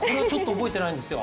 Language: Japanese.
覚えてないんですよ。